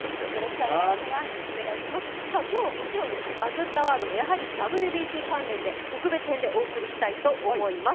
今日はもちろん「バズったワード」もＷＢＣ関連で特別編でお送りしたいと思います。